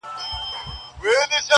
قرنطین دی لګېدلی د سرکار امر چلیږي!